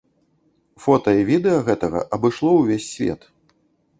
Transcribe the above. Фота і відэа гэтага абышло ўвесь свет.